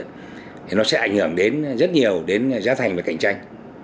thì nó sẽ ảnh hưởng đến rất nhiều đến giá thành và cạnh tranh